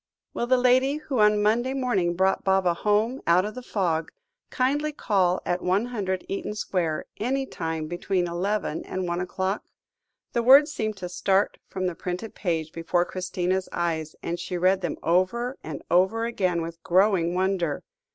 "Will the lady who on Monday morning brought Baba home out of the fog, kindly call at 100, Eaton Square, any time between eleven and one o'clock?" The words seemed to start from the printed page before Christina's eyes, and she read them over and over again with growing wonder.